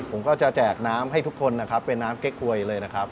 ผมก็จะแจกน้ำให้ทุกคนนะครับเป็นน้ำเก๊กหวยเลยนะครับ